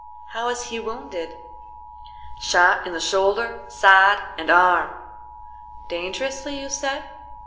"How is he wounded?" "Shot in the shoulder, side, and arm." "Dangerously you said?"